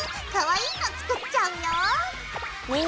かわいいの作っちゃうよ！